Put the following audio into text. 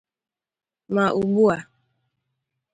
ma ugbua